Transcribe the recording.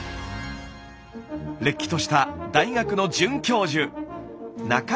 れっきとした大学の准教授。